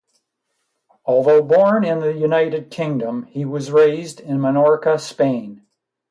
Although born in the United Kingdom, he was raised in Menorca, Spain.